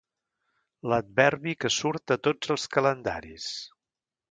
L'adverbi que surt a tots els calendaris.